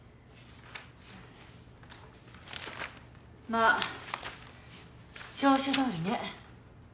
まあ調書どおりね。